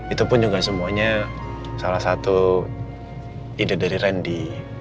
itu pun juga semuanya salah satu ide dari randy